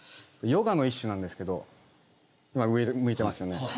ヨガの一種なんですけど今上向いてますよね？